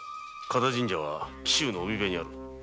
加太神社は紀州の海辺にある。